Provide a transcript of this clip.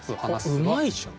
あっうまいじゃん。